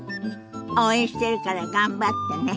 応援してるから頑張ってね。